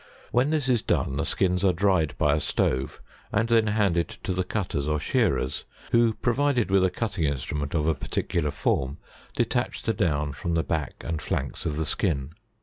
When this is done, the skins are dried by a stove, and then handed to the cutters or shearers, who, provided with a cutting instrument of a particular form, detach the down from the back and flanks of the skin.